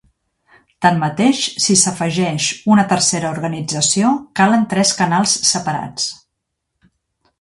Tanmateix, si s'afegeix una tercera organització, calen tres canals separats.